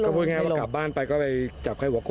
พูดง่ายว่ากลับบ้านไปก็ไปจับไข้หัวโก